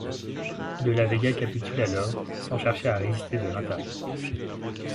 De la Vega capitule alors, sans chercher à résister de l'intérieur.